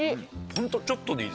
ホントちょっとでいい。